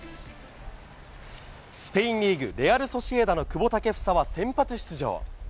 スペインリーグ・レアルソシエダの久保建英は先発出場。